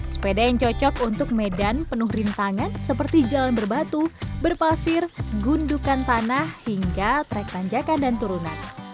sepeda yang cocok untuk medan penuh rintangan seperti jalan berbatu berpasir gundukan tanah hingga trek tanjakan dan turunan